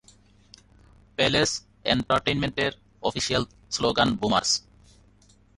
Palace এন্টারটেইনমেন্টের official slogan boomers!